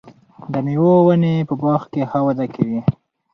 د مېوو ونې په باغ کې ښه وده کوي.